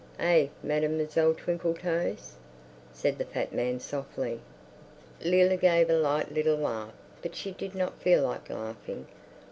Eh, Mademoiselle Twinkletoes?" said the fat man softly. Leila gave a light little laugh, but she did not feel like laughing.